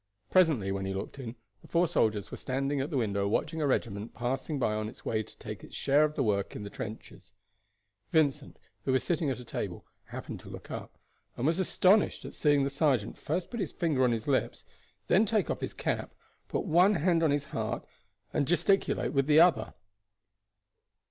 Presently, when he looked in, the four soldiers were standing at the window watching a regiment passing by on its way to take its share of the work in the trenches. Vincent, who was sitting at a table, happened to look up, and was astonished at seeing the sergeant first put his finger on his lips, then take off his cap, put one hand on his heart, and gesticulate with the other.